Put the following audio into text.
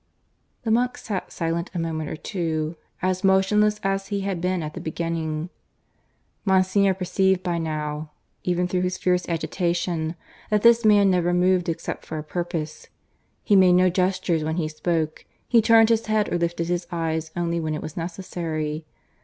The monk sat silent a moment or two, as motionless as he had been at the beginning. Monsignor perceived by now, even through his fierce agitation, that this man never moved except for a purpose; he made no gestures when he spoke; he turned his head or lifted his eyes only when it was necessary.